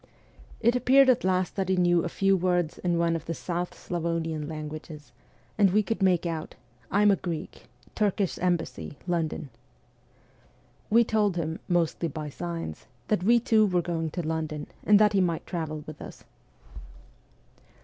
It appeared at last that he knew a few words in one of the South Slavonian languages, and we could make out :' I am a Greek ; Turkish embassy, London.' We told him, mostly by signs, that we too were going to London, and that he might travel with us.